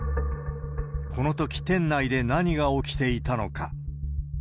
このとき、店内で何が起きていたのか。